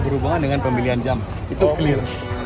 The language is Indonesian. hubungan dengan pemilihan jam itu klir